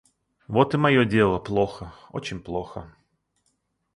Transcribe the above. Вот и мое дело плохо, очень плохо.